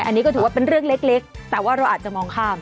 อันนี้ก็ถือว่าเป็นเรื่องเล็กแต่ว่าเราอาจจะมองข้าม